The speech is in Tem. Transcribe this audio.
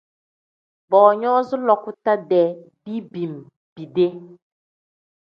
Boonyoozi lakuta-dee dibimbide.